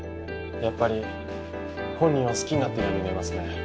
やっぱり本人を好きになったように見えますね。